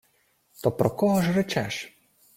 — То про кого ж речеш?